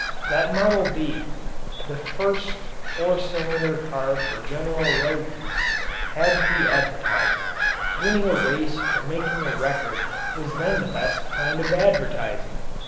That "Model B" the first four cylinder car for general road use had to be advertised. Winning a race or making a record was then the best kind of advertising.